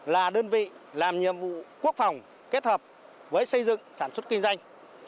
là đơn vị làm nhiệm vụ quốc phòng kết hợp với xây dựng sản xuất kinh doanh